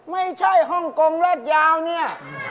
ไม่ใช่ฮ่องโกงรัดยาวนี่